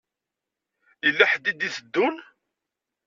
Yella ḥedd i d-iteddun.